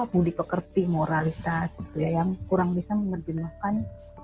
budi pekerti moralitas yang kurang bisa menerjemahkan